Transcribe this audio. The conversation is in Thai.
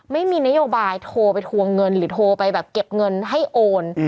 ไม่มีนโยบายโทรไปทวงเงินหรือโทรไปแบบเก็บเงินให้โอน